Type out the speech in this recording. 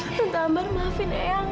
tentang ambar maafin ayang ya